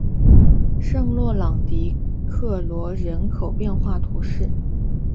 圣洛朗迪克罗人口变化图示